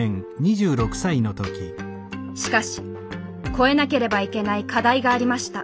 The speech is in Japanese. しかし越えなければいけない課題がありました。